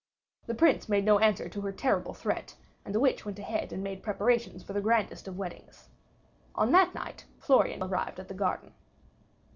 The Prince made no answer to her terrible threat, and the witch went ahead and made preparation for the grandest of weddings. On that night, Florian arrived at the garden.